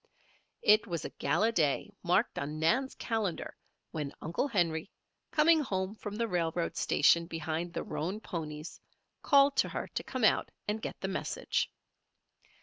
It was a gala day marked on Nan's calendar when Uncle Henry, coming home from the railroad station behind the roan ponies, called to her to come out and get the message.